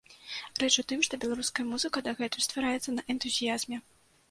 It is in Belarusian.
Рэч у тым, што беларуская музыка дагэтуль ствараецца на энтузіязме.